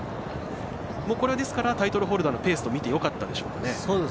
これは、タイトルホルダーのペースと見てよかったでしょうか。